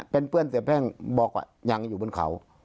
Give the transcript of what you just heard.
เป็นเพื่อนเสียแพ่งบอกว่ายังอยู่บนเขา